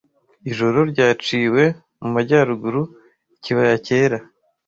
Ijoro ryaciwe mu majyaruguru; ikibaya cyera